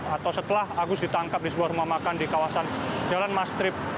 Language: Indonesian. atau setelah agus ditangkap di sebuah rumah makan di kawasan jalan mastrip